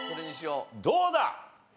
どうだ？